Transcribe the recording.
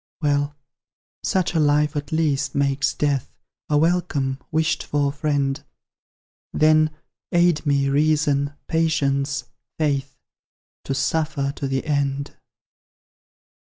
Well, such a life at least makes Death A welcome, wished for friend; Then, aid me, Reason, Patience, Faith, To suffer to the end!